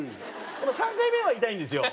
でも３回目は痛いんですよ。